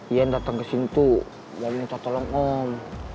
ian datang kesitu dan minta tolong om